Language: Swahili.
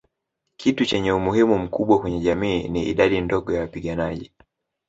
Kitu chenye umuhimu mkubwa kwenye jamii ni idadi ndogo ya wapiganaji